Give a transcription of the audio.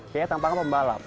kayaknya tampaknya pembalap